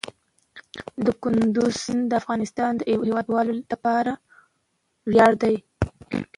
کندز سیند د افغانستان د هیوادوالو لپاره ویاړ دی.